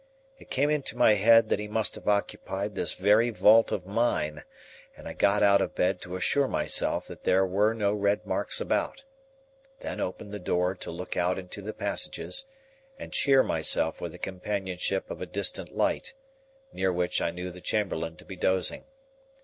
It came into my head that he must have occupied this very vault of mine, and I got out of bed to assure myself that there were no red marks about; then opened the door to look out into the passages, and cheer myself with the companionship of a distant light, near which I knew the chamberlain to be dozing.